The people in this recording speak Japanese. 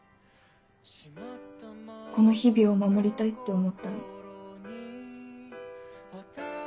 この日々を守りたいって思ったの。